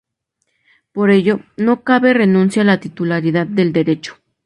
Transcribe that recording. Por ello, no cabe renuncia a la titularidad del derecho.